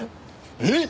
えっ！？